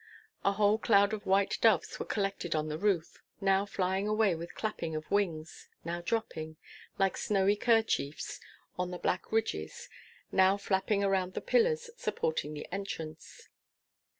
A whole cloud of white doves were collected on the roof, now flying away with clapping of wings, now dropping, like snowy kerchiefs, on the black ridges, now flapping around the pillars supporting the entrance.